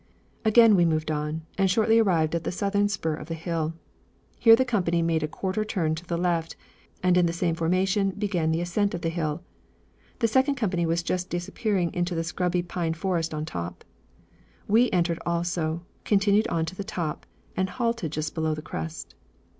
Again we moved on, and shortly arrived at the southern spur of the hill. Here the company made a quarter turn to the left, and in the same formation began the ascent of the hill. The second company was just disappearing into the scrubby pine forest on top. We entered also, continued on to the top, and halted just below the crest.